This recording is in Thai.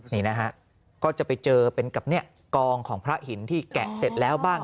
นี่นะฮะก็จะไปเจอเป็นกับกองของพระหินที่แกะเสร็จแล้วบ้าง